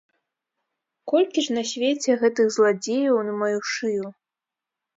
Колькі ж на свеце гэтых зладзеяў на маю шыю!